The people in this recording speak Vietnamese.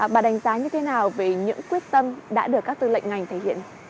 bà đánh giá như thế nào về những quyết tâm đã được các tư lệnh ngành thể hiện